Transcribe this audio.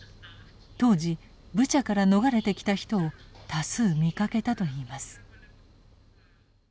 当時ブチャから逃れてきた人を多数見かけたと言います。